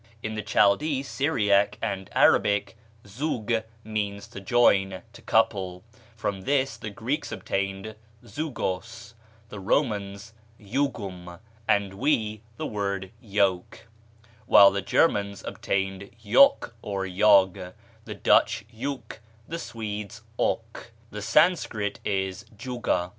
In the Chaldee, Syriac, and Arabic zug means to join, to couple; from this the Greeks obtained zugos, the Romans jugum, and we the word yoke; while the Germans obtained jok or jog, the Dutch juk, the Swedes ok. The Sanscrit is juga.